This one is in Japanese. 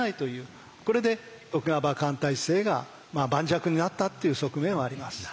これで徳川幕藩体制が盤石になったっていう側面はあります。